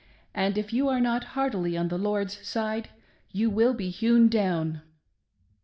and if you are not heartily on the Lord's side, you will be hewn down .'"